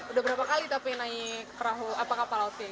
sudah berapa kali tapi naik kapal lautnya ini